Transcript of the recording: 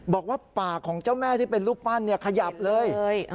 บอกว่าปากของเจ้าแม่ที่เป็นรูปปั้นขยับเลย